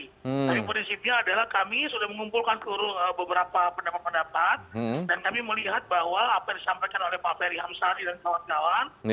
tapi prinsipnya adalah kami sudah mengumpulkan seluruh beberapa pendapat pendapat dan kami melihat bahwa apa yang disampaikan oleh pak ferry hamsari dan kawan kawan